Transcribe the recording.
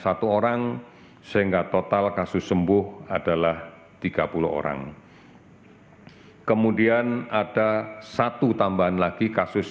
satu orang sehingga total kasus sembuh adalah tiga puluh orang kemudian ada satu tambahan lagi kasus